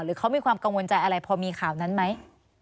เขามีความกังวลใจอะไรพอมีข่าวนั้นไหม